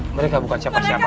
mereka bukan siapa siapa